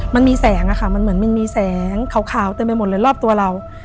มันมีแสงอะค่ะมันเหมือนมันมีแสงขาวเต็มไปหมดเลยรอบตัวเรา